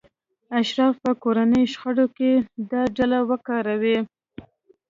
اشراف به کورنیو شخړو کې دا ډله وکاروي.